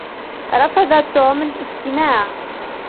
رفض توم الاستماع.